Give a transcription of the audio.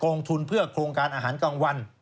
ลงทุนเพื่อโครงการอาหารกลางวัน